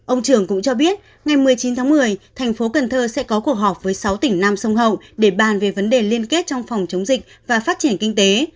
ông trưởng cũng cho biết ngày một mươi chín tháng một mươi thành phố cần thơ sẽ có cuộc họp với sáu tỉnh nam sông hậu để bàn về vấn đề liên kết trong phòng chống dịch và phát triển kinh tế